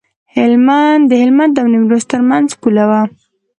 د هلمند او نیمروز ترمنځ پوله وه.